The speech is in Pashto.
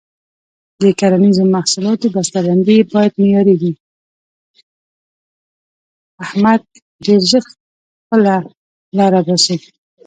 احمد ډېر ژر خپله لاره باسي.